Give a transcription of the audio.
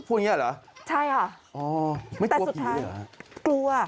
พูดอย่างนี้เหรอไม่กลัวผิดเหรอใช่ค่ะแต่สุดท้ายกลัว